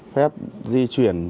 phép di chuyển